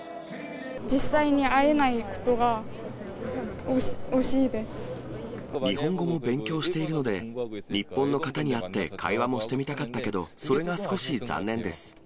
実際に会えないことが惜しい日本語も勉強しているので、日本の方に会って会話もしてみたかったけど、それが少し残念です。